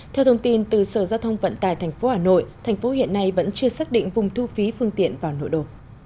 theo thông tin từ sở giao thông vận tài tp hà nội thành phố hiện nay vẫn chưa xác định vùng thu phí phương tiện vào nội đồ